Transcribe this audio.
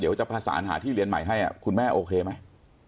เดี๋ยวจะพัสธ์หาที่เรียนใหม่ให้คุณแม่โอเคไหม